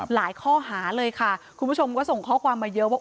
ข้อหาเลยค่ะคุณผู้ชมก็ส่งข้อความมาเยอะว่า